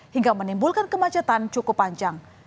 hingga menimbulkan kemacetan cukup panjang